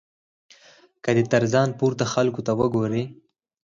که دی تر ځان پورته خلکو ته وګوري.